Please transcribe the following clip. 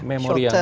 memori yang pendek